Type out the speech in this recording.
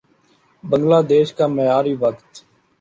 بنگلہ دیش کا معیاری وقت